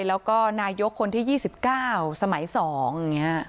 แล้วก็นายกคนที่ยี่สิบเก้าสมัยสองอย่างเงี้ย